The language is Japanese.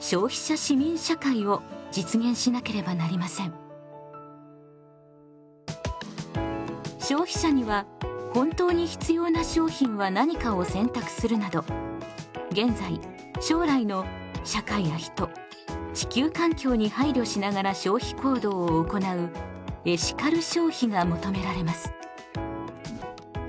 消費者支援のために消費者には本当に必要な商品は何かを選択するなど現在・将来の社会や人地球環境に配慮しながら消費行動を行うエシカル消費が求められます。